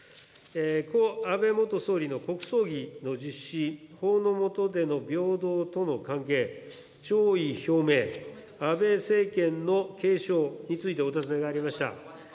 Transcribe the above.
故・安倍元総理の国葬儀の実施、法の下での平等との関係、弔意表明、安倍政権の継承についてお尋ねがありました。